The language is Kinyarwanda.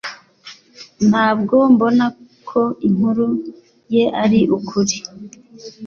Ntabwo mbona ko inkuru ye ari ukuri